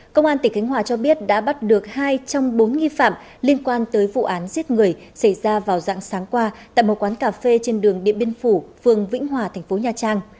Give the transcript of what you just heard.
công an tỉnh khánh hòa cho biết đã bắt được hai trong bốn nghi phạm liên quan tới vụ án giết người xảy ra vào dạng sáng qua tại một quán cà phê trên đường điện biên phủ phường vĩnh hòa thành phố nha trang